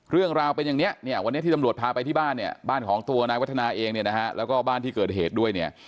เรื่องราวเป็นอย่างนี้เนี่ยวันนี้ที่ตำรวจพาไปที่บ้านเนี่ยบ้านของตัวนายวัฒนาเองเนี่ยนะฮะแล้วก็บ้านที่เกิดเหตุด้วยเนี่ย